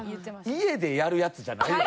家でやるやつじゃないよな。